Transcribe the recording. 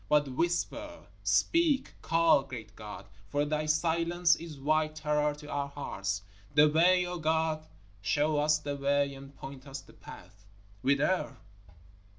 But whisper speak call, great God, for Thy silence is white terror to our hearts! The way, O God, show us the way and point us the path. Whither?